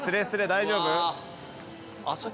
大丈夫？